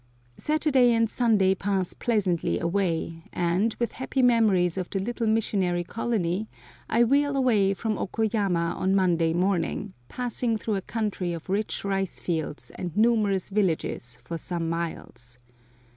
Saturday and Sunday pass pleasantly away, and, with happy memories of the little missionary colony, I wheel away from Oko yama on Monday morning, passing through a country of rich rice fields and numerous villages for some miles.